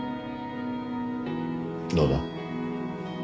どうだ？